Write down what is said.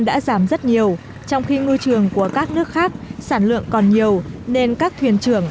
đã giảm rất nhiều trong khi ngư trường của các nước khác sản lượng còn nhiều nên các thuyền trưởng